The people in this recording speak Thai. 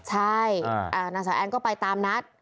ใช่นางสาวแอนก็ไปตามนัด